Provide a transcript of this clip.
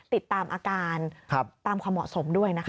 ติดตามอาการตามความเหมาะสมด้วยนะคะ